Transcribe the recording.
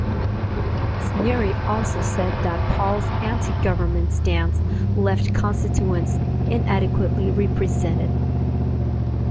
Sneary also said that Paul's anti-government stance left constituents inadequately represented.